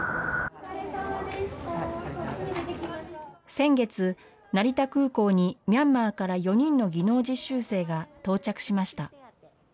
先月、成田空港にミャンマーから４人の技能実習生が到着しました。